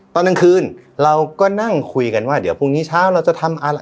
ตอนกลางคืนเราก็นั่งคุยกันว่าเดี๋ยวพรุ่งนี้เช้าเราจะทำอะไร